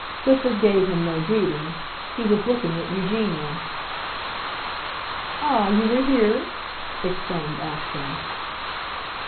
Clifford gave him no greeting; he was looking at Eugenia. "Ah, you were here?" exclaimed Acton.